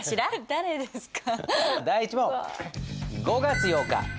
誰ですか？